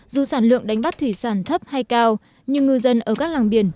dù sản lượng đánh bắt thủy sản thấp hay cao nhưng ngư dân ở các làng biển